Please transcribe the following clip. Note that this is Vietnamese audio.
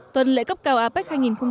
tuần lễ cấp cao apec hai nghìn một mươi bảy